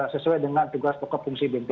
sesuai dengan tugas pokok fungsi bnp